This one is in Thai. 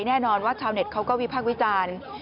แน่นอนว่าชาวเน็ตเขาก็วิพากษ์วิจารณ์